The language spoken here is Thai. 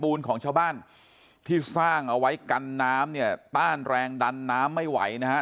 ของชาวบ้านที่สร้างเอาไว้กันน้ำเนี่ยต้านแรงดันน้ำไม่ไหวนะฮะ